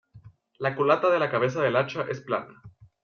La culata de la cabeza del hacha es plana.